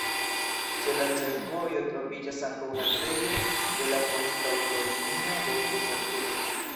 Ĉe la ĉefvojo troviĝas ankaŭ haltejo de la poŝtaŭtolinio de Frick al Brugg.